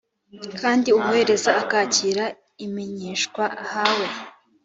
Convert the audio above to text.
kandi uwohereza akakira imenyeshwa ahawe